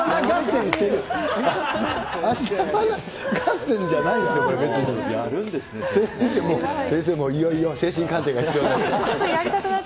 先生もいよいよ精神鑑定が必要な。